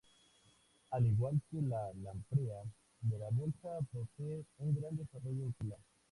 Al igual que la lamprea de la bolsa posee un gran desarrollo ocular.